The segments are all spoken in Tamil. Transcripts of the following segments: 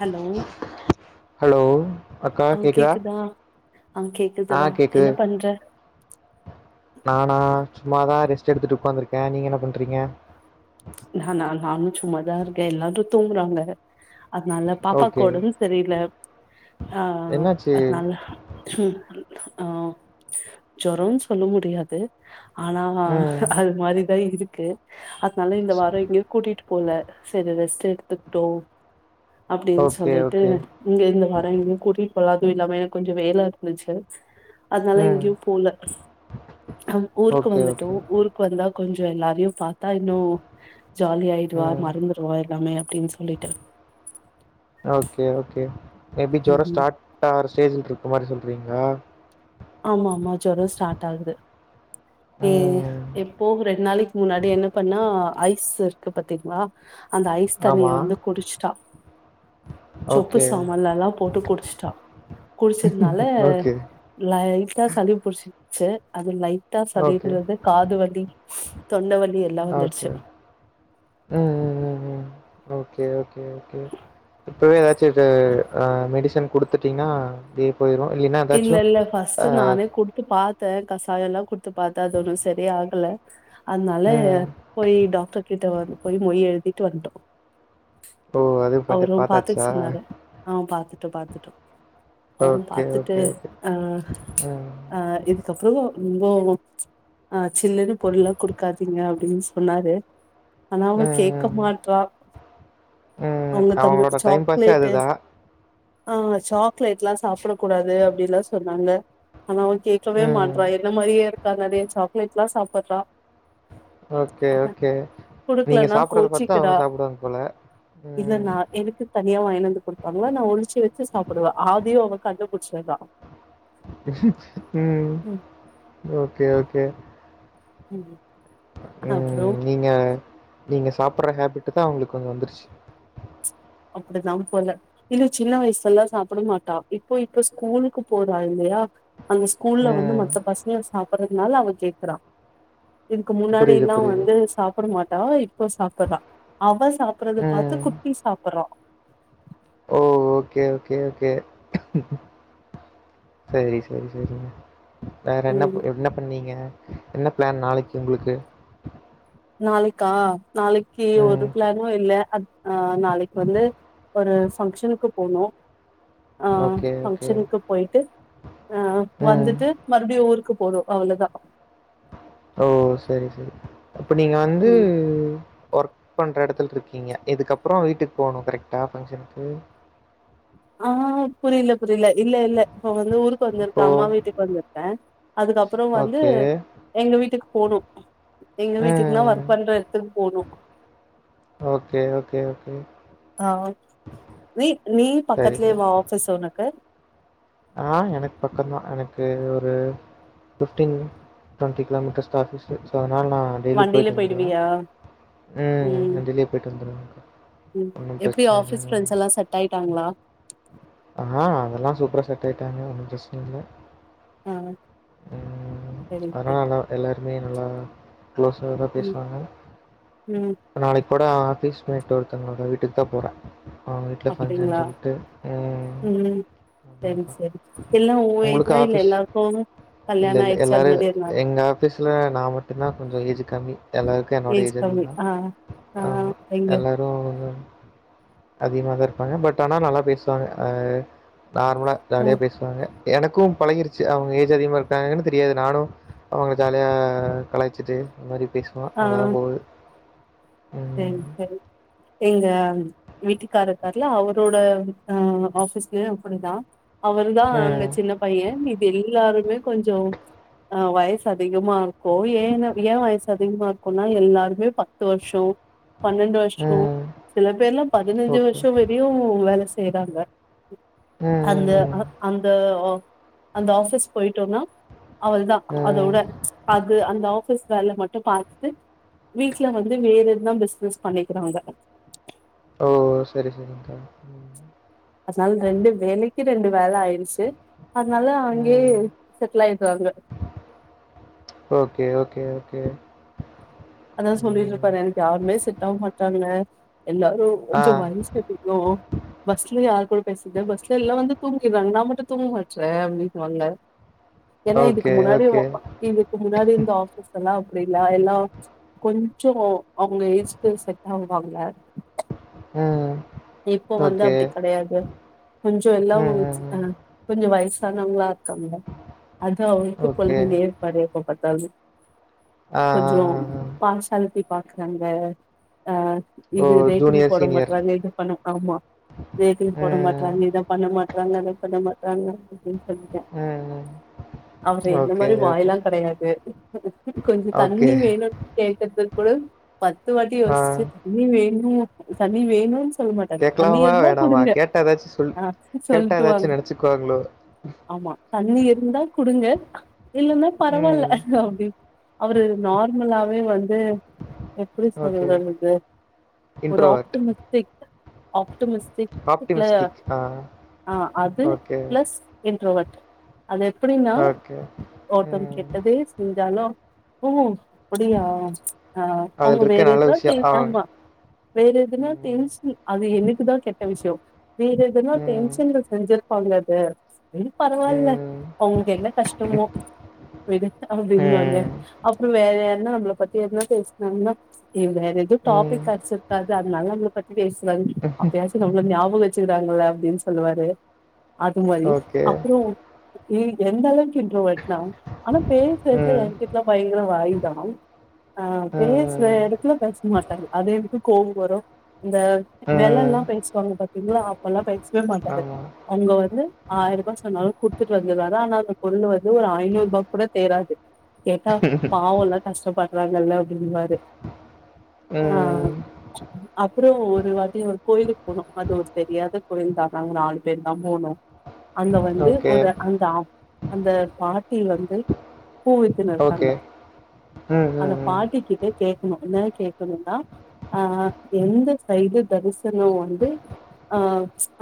ஹலோ ஹலோ அக்கா அ கேட்குதா கேக்குதா அ ஆ கேக்குதுதா கேட்குது என்ன பண்ற நானா சும்மாதான் ரெஸ்ட் எடுத்துட்டு உட்காந்துருக்கேன் நீங்க என்ன பண்றீங்க ந நா நானு சும்மாதா இருக்கேன் எல்லாரும் தூங்குறாங்க அதனால பாப்பவுக்கு ஓகே உடம்பு செரியில்ல என்னாச்சு அதனால ஆ ஜொரோனு சொல்ல முடியாது ஆனா ம் அது மாதிரிதான் இருக்கு இருக்கு அது நால இந்த வாரம் எங்கயும் கூட்டிட்டு போல செரி ரெஸ்ட் எடுத்துக்கிட்டோம் அப்டின்னு ஓகே சொல்லிட்டு ஓகே இங்க இருந்து வரன் என்ன கூட்டிட் அதும் இல்லாம எனக்கு கொஞ்சம் வேலை இருந்துச்சு அதனால ம் எங்கேயும் போல ஊருக்கு ஓகே ஓகே வந்துட்டோம் ஊருக்கு வந்தா கொஞ்சம் எல்லாரையும் பாத்தா இன்னும் ஜாலிய ஆயிடுவா ம் மறந்துடுவா எல்லாமே அப்படின்னு சொல்லிட்டரு ஓகே ஓகே மேபி ஜொரோம் ம் ஸ்டார்ட் ஆகுற ஸ்டேஜ் இருக்கு மாதிரி சொல்லி அப்படிங்களா ஆமா ஆமா ஜொரோம் ஸ்டார்ட் ஆகுது ஏஹ ம் எப்போ ரெண்டு நாளைக்கு முன்னாடி என்ன பண்ணா ஐஸ் இருக்கு பாத்தீங்களா அந்த ஐஸ் தண்ணிய ஆமாம் வந்து குடிச்சுட்டா சொப்பு ஓகே சாமான்ல எல்லாம் போட்டு குடிச்சுட்டா குடிச்சதுனால ஓகே லைட்டா சளி பிடிச்சு ச்சு அது லைட் டா ஓகே சளின்றது காதுவலி ஓகே உஹம் உம் உம் ஓகே ஓகே ஒகே இப்பவே ஏதாச்ச இது அ மெடிசன்டு பாத்திங்கன்னா இல்ல -இல்ல ஃபர்ஸ்ட்நானே குடுத்து பா கசாயம் எல்லாம் குடுத்து பார்த்தா அது ஒன்னும் செரியாகல அதனால ம். போய் டாக்டர் கிட்ட வந்து போய் மொய் எழு இட்டுவண்டோம் ஓ அதுவும் பட்டு பாத்தாச்சா ட்டொ பாத்துட்டோ அவரும் ஓகே, பாத்து ட்டு ஓகே, ஓகே. ‌அ ம். அ இதுக்கப்றோ ரொம்பொ ஆ சில்லுன்னு பொருள்லா குடுக்காதீங்க அப்டின் சொன்னாரு ஆனா அவ ம், கேக்க ம், மாட்றா ம். அவுங்க தம்பி அவங்களோட டைம் பாஸே சாக்லேட்டு அதுதான். அ அ சாக்லேட்லா சாப்புட குடாது அப்டில்லா சொன்னாங்க ஆனா அவ கேக்கவே ம். மாட்றா என்ன மாரியே இரு க்கா நறைய சாக்லேட்லா சாப்புட்றா ஓகே, ஓகே. நீங்க குடுக்லன்னா சாப்பிடுறத பாத்து கோச்சிக்கிடா அவங்க சாப்பிடுவாங்க போல. இல்ல ம், நா எனக்கு தனியா வாங்கிணந்து குடுப்பாங்களா நா ஒளிச்சு வச்சு சாப்டுவ ஆதியு அவ கண்டுபுச்சர்றா ம் ஓகே ஓகே ம் அப்புறோ ம் நீங்க நீங்க சாப் புர்ற ஹேபிட்டு தா அவுங்ளுக் கொஞ்ச வந்துருச்சு அப்டிதாம்போல இல்ல சின்ன வயசுலல்லா சாப்புட மாட்டா இப்பொ இப்ப ஸ்கூலுக்கு போறா இல்லயா அங்க ஸ்கூல்ல வந்து ம். மத்த பசங்க சாப் புறதுனால அவ கேக்குறா இதுக்கு புரியுது, முன்னாடில்லா புரியுது. வந்து சாப்புட மாட் டா இ ப்ப சாப்புர்றா‌ அவ சாப்புறத பாத்து ம். குட்டி சாப் புட்றா ஓ ஓகே ஓகே ஓகே சேரி செரி செரி வேறென்ன ம் ப என்ன பண்ணீங்க என்ன ப்ளான் நாளைக்கு உங்ளுக்கு? நாளைக்கா நாளக்கி ஒரு ம். ப்ளானு இல்ல அ அ நாளைக்கு வந்து ஒரு ஃபங்க்ஷனுக்கு போனு ஆ ஓகே, ஓகே. பங்க்ஷனுக்கு போயிட்டு அ ம். வந்துட்டு மறுபடியு ஊருக்கு போனு அவ்ளதா ஓ செரி செரி இப்ப நீங்க வந்து ம் ஒர்க் பண்ற எடத்துல்ருக்கீங்க இதுக்கப்றோ வீட்டுக் போணு கரெக்ட்டா ஃபங்க்ஷன்க்கு ஆ புரில புரில இல்ல இல்ல இப்ப வந்து ஊருக்கு வந்துருக்க இப்போ அம்மா வீட்டுக்கு வந்துருக்கே அதுக்கப்புறொ வந்து ஓகே. எங்க வீட்டுக்கு போணு எங்க வீட்டுக்னா ம். ஒர்க் பண்ற எட்த்துக்கு போணு ஓகே, ஓகே, ஓகே. ஆஹ நீ நீ சரி, பக்கத்தலவே வா ஆஃபிஸ் உனக்க ஆஹ் எனக்கு பக்க்தான் எனக்கு ஒரு பிப்டீன் டுவெண்டி கிலோமீட்டர் ஆபீஸ் சொ நான் னா டெய்லியி வண்டில போயி்ட்டு வந்துடுவேன் போயிடுவியா ம் நான் வண்டியிலயே போயிட்டு வந்துடுவேன் ம் எப்படி ஆபீஸ் ஃபிரண்ட்ஸ் எல்லாம் செட் ஆயிட்டாங்களா செட்டாயி ட்டாங்க ஒன்னும் பிரச்சனை இல்லை ஆஹ் செரி செரி மே நல்லா குளோஸா தான் பேசுவாங்க ம் நாளைக்கு கூட ஆபீஸ்மேட் ஒருத்தவங்களோடா வீட்டுக்கு தான் போறேன் அவன் வீட்டுல பங்க்ஷன் அப்டிங்களா சொல்லிட்டு ஆ ம் உம் சரி சரி எல்லா உ உங்களுக்கு ஏஜா இல்ல ஆபீஸ் எல்லாருக்கு இல்ல கல்யாண ஆயிடுச்சு எல்லார அது மாரி இருந்தா எங்க ஆபீஸ்ல நான் மட்டுதம்தா கொஞ்ச ஏஜ் கம்மி எல்லாருக்கும் என்னோட ஏஜ் அதிகம் கம்மி அது தான் ஆ ஆ ஆமா எங்க எல்லாரும் வ அதிகமாக தா இருப்பாங்க பட் ஆனா நல்லா பேசுவாங்க நார்மலா ஆ ஜாலியா பேசுவாங்க எனக்கும் பழகிடுச்சி அவங்க ஏஜ் அதிகமாக இருக்காங்கன்னு தெரியாது நானும் அவங்க ஜாலியா கலாயச்சிட்டு இ மாதிரி பேசுவான் அவ்ளோதான் போவுது சேரி சேரி எங்க வீட்டுக்காரர் இருக்காருல்ல அவரோட ஆபீஸ்லயும் அப்படிதா அவர்தான் அங்க ம். சின்ன பையன் இது எல்லாருக் கொஞ்சம் ஆஹ வயசு அதிகமா இருக்கும் ஏ ஏன் வயசு அதிகமா இருக்கும்னா எல்லாருமே பத்து வருஷம் பன்னெண்டு வருஷம் ம். சில பேர்லாம் பதினைஞ்சு ஓகே. வருஷம் வரையும் வேலை செய்றாங்க ம். அந்த ம். ஆ ம். அந்த அந்த ஆபிஸ் போயிட்டோம்னா அவ்ளோதான் ம். அதோட அது அந்த ஆபிஸ் வேல மட்டும் பார்த்துட்டு வீட்டுல வந்து வேல எ என்ன பிசினஸ் பண்ணிடுதா அவங்க ஓ செரி செரிங்கா அதனால ரெண்டு வேலைக்கு ரெண்டு வேலை ஆயிடுச்சு அதனால அங்கேயே ம். செட்டில் ஆயடுராங்க சேர் அதான் சொல்லிட்டு இருப்பாரு எனக்கு யாருமே செட்டாகமாட்டாங்க எல்லாரும் ஆ. கொஞ்சம் வயசுல அதிகோம் பஸ்லய பேசிட்டே பஸ்ல எல்லாம் வந்து தூங்கிடுறாங்க நான் மட்டும் தூங்க மாட்டுறேன் அப்படின்னுவாங்க ஏன்னா இதுக்கு ஓகே, முன்னாடி ஓகே. இதுக்கு முன்னாடி இருந்த ஆஃபீஸ்லலாம் அப்படிலா எல்லாம் கொஞ்சம் அவங்க ஏஜ்க்கு செட் ஆவாங்க உஹம் இப்போ வந்து அப்படி கெடையாது கொஞ்சம் எல்லாம் ம். ம். அ ம். கொஞ்சம் வயசு பண்ணுவாங்களா அது அவருக்கு ஓகே. பொலம்பினே இருப்பார் எப்பபாத் சாலரி ஆ, ஆ, கொஞ்சம் ஆ, ஆ. பாசல்டி பாக்குறாங்க ஆஹ ஓ! இது வெய்ட்டிங் ஜூனியர், சீனியர். போடமாட்ராங்க இது ப ஆமா வெய்டிங்போட ம். மாட்டாறங்க இதான் பண்ண மாட்ட ங்க கிட்டறங்க [unintelligible] அதபண்ணமாட்ரங்க வின்பண்ணிட ம். ம். அவரு என்ன ஓகே, மாதிரி வாய் ஓகே. கெடையாது சொல்லிட்டேன் அவரு எந்த மாதிரி வாய்ல்லாம் கெடையாது கொஞ்சம் ஓகே. தண்ணி வேணும்னு கே்கறதுக்கு கூட பத்து வாட்டி ஆ. யோசிச்சு தண்ணி வேணும் தண்ணி வேணும் செய்ய மாட்டார் தண்ணி கேட்கலாமா? இருந்தா வேணாமா? குடுங்க கேட்டா ஏதாச்சும் சொல் கேட்டா சொல்லிட்டு வாங்க ஏதாச்சும் நெனச்சுக்குவாங்களோ? ஆமா தண்ணி இருந்த கொடுங்க இல்லைன்னா பரவாயில்ல ம். அப்படி அவரு நார் மல்லப் வந்து எப்படி ஓகே. சொல்றது ஒரு இன்ட்ரோவர்ட். ஆப்டமிஸ்க் ஆப்டமிஸ்க்லா ஆப்டிமிஸ்டிக். ஆ. அது ஓகே, பிளஸ் இன்ட்ரோவிட் அது எப்படின்னா ஓகே. ஒருத்தவன் ம். கெட்டதே செஞ்சாலும் உம்ம் அப்படியா ஆஹ் அதில அவங்க இருக்க வேற நல்ல எதுனா விஷயம். தேன் ஆ. ஆமா வேற எதுனா ம். சேல்ஸ் அது எனக்கு தா கெட்ட விஷயம் வேற எதனா ம். டென்ஷன்ல செஞ்ச பண்றது விடு பரவாயில்ல ம். அவங்களுக்கு என்ன கஷ்டமோ விடு அப்படின்னு வாங்க ம். அப்புறம் வேற யார ன்னா நம்மள பத்தி எதுன்ன பேசினாங்கன்னா இ் வேற எது ம். டாபிக் கெடச்சிருக்காது அது நல்லவங்ள பத் பேசுனாங் அப்பயாச்சு நம்ள ஞாபக வ ச்சுக்கிடாங்கள்ல அப்டின் சொல்லுவாரு அது மாதிரி ஓகே. அப்றோ நீ எந்தளவு க்கு இன்ட்ரோவெட்னா ஆனா பேசுற [unintelligible] ஏ ம். கிட்லா பயங்கர வாயி தா ஆ ம். பேசுற ம். எடத்துல பேச மாட்டாரு அது எனக்கு கோவ வரு இந்த ம். ம். வெலல்லா பேசுவாங்க பாத்தீங்ளா அப்பல்லா பேசவெ மாட்டாரு ஆமா. அவுங்க வந்து ஆயருபா சொன்னாலு குடுத்துட்டு வந்துருவாரு ஆனா அந்த பொருளு வந்து ஒரு ஐநூறுபாக்கு கூட தேறாது கேட்டா பாவொல்ல கஷ்டப்பட் றாங்கள்ல அப்டிம்பாரு ம். ஆ அப்றோ ஒரு வாட்டி ஒரு கோயிலுக் போனோ அது ஒரு தெரியாத கோயில் தா நாங்க நாலு பேர் தா போனோ அங்க வந்து ஓகே. ஒரு அந்தா அந்த பாட் டி வந்து பூவித்துனு ஓகே. இருக்காங்க ம். அந்த ம். ம். பாட்டிக்கிட்ட கேக்கணு [unintelligible] கேக்கனுன்னா அ அ எந்த சைடு தரிசனொ வந்து ஆ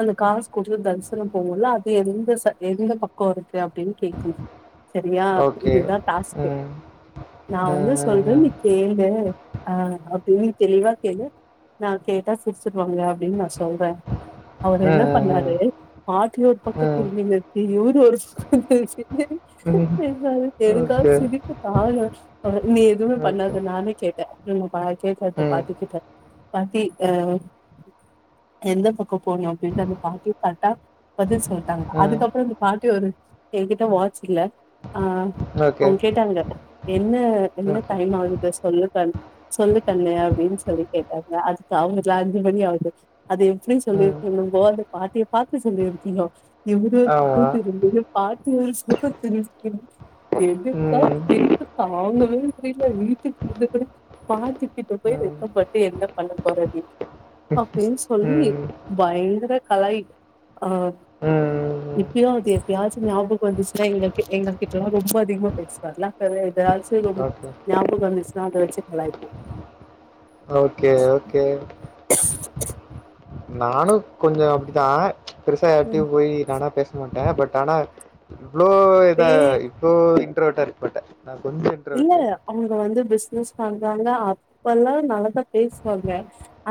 அந்த காசு குடுத்து தரிசனம் போவோல்ல அது எந்த ச எந்த பக்கொ இருக்கு அப்டின் கேக்கணு சரியா ஓகே. இதுதா டாஸ்க்கு ம். நா வந்த ம். சொல்ற ம். நீ கேளு ஆ அப்டிய நீ தெளிவா கேளு நா கேட்டா சிரிச்சுர்வாங்க அப்டின் நா சொல்றே அவர் என்ன ம். பண்ணாரு பாட்டி ஒரு ம். பக்கொ ம். திரும்பினுர்க்கு இவர் ஒரு பக்கொ திரும்பினு ம். ம். பேசுனாரு எனக்கா ஓகே. சிரிப்பு தாங்கல அ நீ எதுமே ஓகே. பண்ணாத நானே கேட்டே ம் பா கேட்டெ அந்த ம். பாட்டிக்கிட்ட பாட்டி அ எந்த பக்க போணு அப்டின்ட்டு அந்த பாட்டிய பாத்தா பதில் சொல்ட்டாங்க ம். அதுக்கப்றொ அந்த பாட்டி ஒரு ஏ கிட்ட வாட்ச் இல்ல ஆ ஓகே. அவுங் கேட்டாங்க என்ன என்ன ஓகே. டைம் ஆவுது சொல்லு கண் சொல்லு கண்ணு அப்டின் சொல்லி கேட் டாங்க அதுக்கு அவுங்கட்ல அஞ்சு மணி ஆவுது அது எப்டி ம். சொல்லியிருக்கணும்போ அந்த பாட்டிய பாத்து சொல்லியிருக்கனு இவுரு ஒரு பக்கொ ஆமா. திரும்பினு பாட்டி ஒரு பக்கொ திரும்பிக்கினு எனக்கா ம். சிரிப்பு தாங்கவே முடில வீட்டுக்கு வந்து கூட பாட்டிக்கிட்ட போய் ம். வெக்கப்பட் டு என்ன பண்ண போற நீ அப்டின் சொல்லி ம். பயங்கர கலாய் ஆ ம். ம். இப்பயு அது எப்பயாச்சு ஞாபக வந்துச்சுன்னா எங்ககி எங்க கிட்டல்லா ரொம்ப அதிகமா பேசுவார்ல அப்ப எதாச்சு ரொ ஓகே. ஞாபக வந்துச்சுன்னா அத வச்சு கலாய்ப்போ ஓகே ஓகே [unintelligible] நானு கொஞ்சொ அப்டிதா பெருசா யார்ட்டயு ம். போய் நானா பே ச மாட்டே பட் ஆனா இவ்ளோ இதா பே இவ்ளோ இ இன்ட்ரோவட்டா இருக்கமாட்டே இல்ல அவங்க வந்து பிசினஸ் பண்றாங்க அப்பல்லா நல்லாதா பேசுவாங்க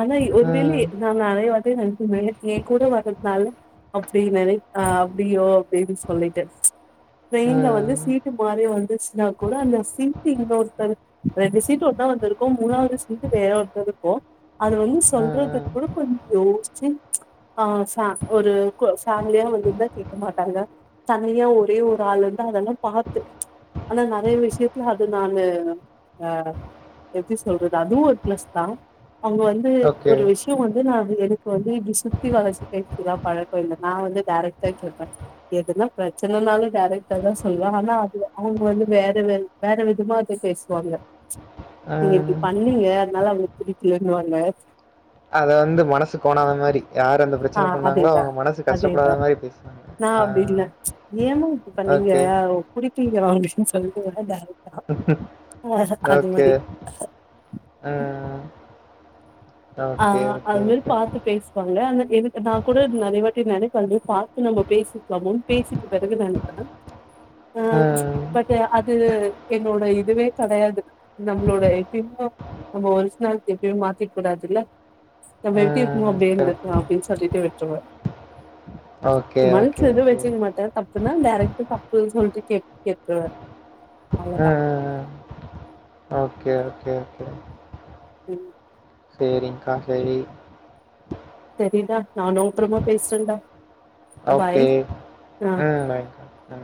அனா ஒரு வேளி ம். நாங்க அரைய [unintelligible] என் கூட வர்றதுனால அப்டி நினை அப்படியோ அப்டின்னு சொல்லிட்டு ட்ரெயின்ல வந்து ம். சீட்டு மாறி வந்துச்சுன்னா கூட அந்த சீட் இன்னொருத்த ரெண்டு சீட்டு ஒன்னா வந்துருக்கு மூணாவது சீட்டு வேற ஒருத்தர் இருக்கு அது வந்து ம். சொல்றது ம். கூட கொஞ் யோசிச்சு ஆ ச ஒரு கு ஃபேமிலியா வந்துிருந்தா கேட்க மாட்டாங்க தனியா ஒரே ஒரு ஆள் இருந்து அதெல்லா பார்த்து ஆனா நறைய விஷய அது நானு அ எப்டி சொல்றது அதுவு ஒரு ப்ளஸ் தா அவங்க வந்து ஓகே. ஒரு விஷயோ வந் நா அது எனக்கு வந்து இப்டி சுத்தி வளச்சி பேசிலா பழக்கோ இல்ல நா வந்து டேரக்டா கேப்ப எதுனா பிரச்சனைனாலு டேரக்டா தா சொல்வே ஆனா அது அவங்க வந்து வேற வேற வேற விதமா அத பேசுவாங்க நீங்க இப்டி ம். பண்ணீங்க அதனால அவங்களுக்கு புடிக்கலன்னுவாங்க அத வந்து மனசு கோனாத மாரி யார் அந்த ஆ பிரச்சனை பண்ணாங்களோ, அதேதா அவங்க மனசு அதேதா கஷ்டப்படாத மாரி பேசுவாங்க. நா ஆ. அப்டி இல்ல ஏமா இப்டி பண்ணீங்க ஓகே. குடி [unintelligible] ண்டஷ சொல்லிட் கூட டேரக்ட் ஓகே அ ஆ அது மரி பாத்து பேசுவாங்க அந்த இதுக்கு நா கூட நறையவாட்டி நினைப்பே பாத்து நம்ம பேசிக்கலாமோனு பேசிட்டு பிறகு நனைப்பே அ ம். பட் அது என்னோட இதுவே கிடையாது நம்மளோட எப்பயுமே நம்ம ஒரிசனாலிட்டி எப்யும் மாத்திக் கூடாதுல்ல நம்ம எப்டி இருக்கமோ ம். அப்டியே கரெக்ட் தான். இருந்துருக்களா அப்டின்னு சொல்லிட்டு விட்டுருவ ஓகே, ஓகே, மனுசுல எதுவு ஓகே. வச்சுக்க மாட்டே தப் னா டேராக்டா தப்புன்னு சொல்ட்டு கேட்டுருவே அ, அ, அவ்வுளதா அ. ஓகே ஓகே ஓகே ம் சேரி்கா சேரி தெரியிதா நானு அப்றமா பேசுறென்டா ஓகே அ பாய் அ